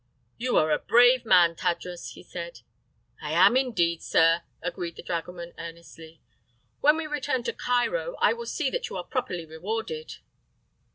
"You are a brave man, Tadros," he said. "I am, indeed, sir," agreed the dragoman, earnestly. "When we return to Cairo I will see that you are properly rewarded."